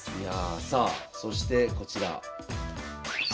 さあそしてこちら。